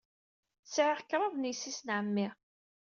Sɛiɣ kraḍt n yessi-s n ɛemmi.